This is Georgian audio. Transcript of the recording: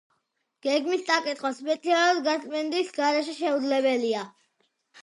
გეგმის წაკითხვა სპეციალური გაწმენდის გარეშე შეუძლებელია.